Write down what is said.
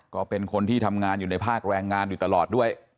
ก็เป็นคนที่ทำงานอยู่ในภาคแรงงานอยู่ตลอดด้วย